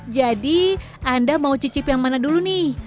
jadi anda mau cicip yang mana dulu nih